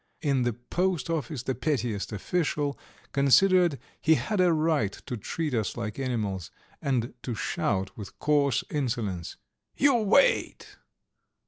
In the post office the pettiest official considered he had a right to treat us like animals, and to shout with coarse insolence: "You wait!"